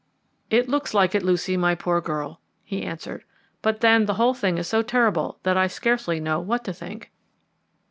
"It looks like it, Lucy, my poor girl," he answered. "But there, the whole thing is so terrible that I scarcely know what to think."